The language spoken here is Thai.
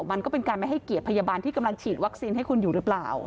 มันก็เป็นการไม่ให้เกียรติพยาบาลที่กำลังฉีดวัคซีนให้คุณอยู่หรือเปล่า